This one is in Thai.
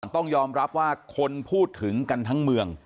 ต้องยอมรับว่าคนพูดถึงกันทั้งเมือง